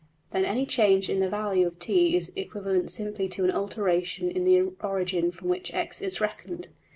Then any change in the value of~$t$ is equivalent simply to an alteration in the origin from which $x$~is reckoned.